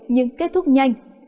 nhưng kết thúc nhanh